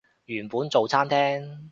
原本做餐廳